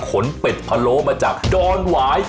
ขนเป็ดพะโลปะจากดอนหวาย